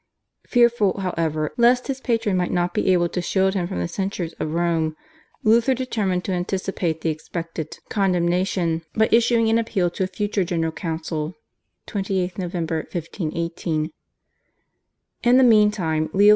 Fearful, however, lest his patron might not be able to shield him from the censures of Rome, Luther determined to anticipate the expected condemnation by issuing an appeal to a future General Council (28 Nov., 1518). In the meantime Leo X.